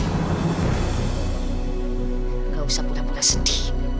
enggak usah pura pura sedih